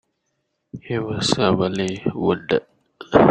He was severely wounded.